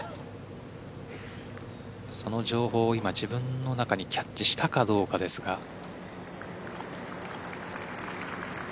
その情報を今、自分の中にキャッチしたかどうかですが。